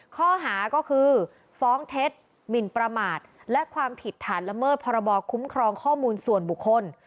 ข้อหาก็คือฟ้องเท็จหมินประมาทและความผิดฐานละเมิดพรบคุ้มครองข้อมูลส่วนบุคคล